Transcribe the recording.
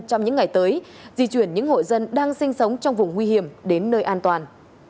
trong những ngày tới di chuyển những hội dân đang sinh sống trong vùng nguy hiểm đến nơi an toàn